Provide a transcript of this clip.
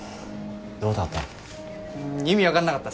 どうだった？